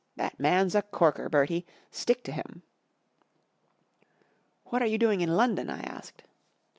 That man's a corker, Bertie. Stick to him." " What are you doing in London ?" I asked.